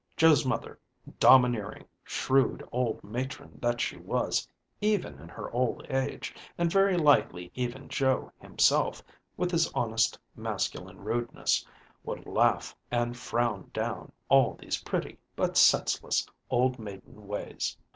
Joe's mother, domineering, shrewd old matron that she was even in her old age, and very likely even Joe himself, with his honest masculine rudeness, would laugh and frown down all these pretty but senseless old maiden ways.